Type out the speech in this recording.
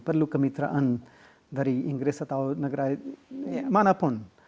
perlu kemitraan dari inggris atau negara mana pun